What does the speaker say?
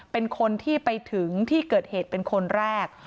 เป็นคนที่ไปถึงที่เกิดเหตุเป็นคนแรก